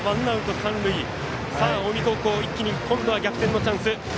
近江高校、一気に逆転のチャンス。